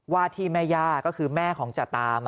ว่าที่แม่ย่าก็คือแม่ของจตาม